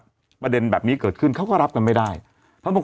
ทำงานครบ๒๐ปีได้เงินชดเฉยเลิกจ้างไม่น้อยกว่า๔๐๐วัน